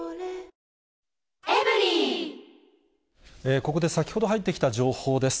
ここで先ほど入ってきた情報です。